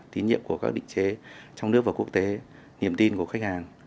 tín nhiệm của các định chế trong nước và quốc tế niềm tin của khách hàng